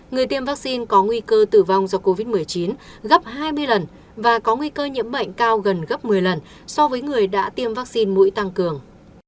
người tiêm vaccine có nguy cơ tử vong do covid một mươi chín gấp hai mươi lần và có nguy cơ nhiễm bệnh cao gần gấp một mươi lần so với người đã tiêm vaccine mũi tăng cường